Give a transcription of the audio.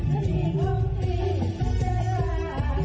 กุมมันก็อยู่ในโลกเท่าใช้